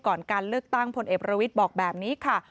ก่อนการเลือกตั้งพลเอกประวิทย์บอกแบบนี้ค่ะ